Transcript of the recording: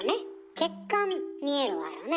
血管見えるわよね？